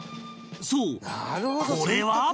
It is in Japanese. そうこれは